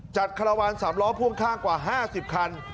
คาราวาน๓ล้อพ่วงข้างกว่า๕๐คัน